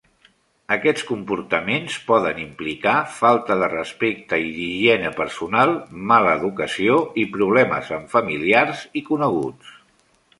Aquests comportaments poden implicar falta de respecte i d'higiene personal, mala educació i problemes amb familiars i coneguts.